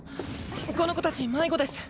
この子たち迷子です。